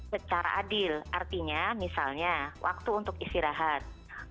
secara adil artinya misalnya waktu untuk istirahat